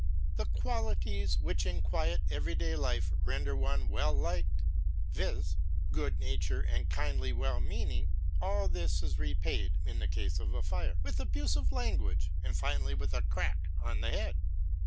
The qualities which in quiet every day life render one well liked, viz., good nature and kindly wellmeaning, all this is repaid, in the case of a fire, with abusive language and finally with a crack on the head.